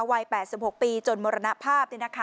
วัย๘๖ปีจนมรณภาพ